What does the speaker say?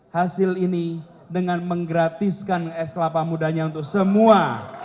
hasil ini dengan menggratiskan es kelapa mudanya untuk semua